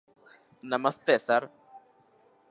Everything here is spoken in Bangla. নমস্তে, স্যার।